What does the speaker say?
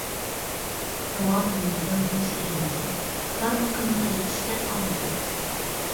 داۋامىنى يازدىم شېئىرىمنىڭ، بارمىقىمنى چىشلەپ قانىتىپ.